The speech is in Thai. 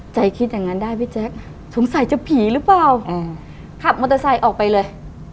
คิดอย่างนั้นได้พี่แจ๊คสงสัยจะผีหรือเปล่าขับมอเตอร์ไซค์ออกไปเลย